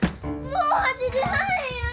もう８時半や！